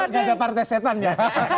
juga partai setan ya